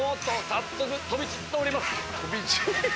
早速飛び散っております！